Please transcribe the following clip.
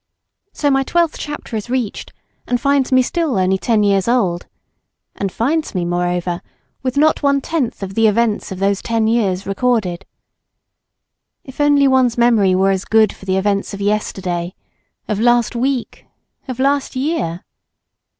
So my twelfth chapter is reached, and finds me still only ten years old, and finds me, moreover, with not one tenth of the events of those ten years recorded. If only one's memory were as good for the events of yesterday—of last week, of last year!